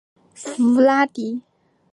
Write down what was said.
弗拉迪什镇是葡萄牙贝雅区的一个堂区。